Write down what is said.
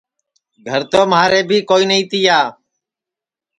گھر تو مھارے بی کوئی نائی تیا